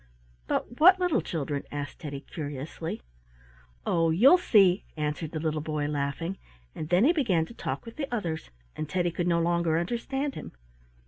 "But what little children?" asked Teddy, curiously. "Oh, you'll see!" answered the little boy, laughing, and then he began to talk with the others, and Teddy could no longer understand him.